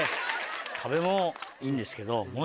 『壁』もいいんですけどもう１つ。